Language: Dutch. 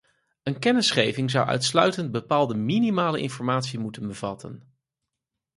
Een kennisgeving zou uitsluitend bepaalde minimale informatie moeten bevatten.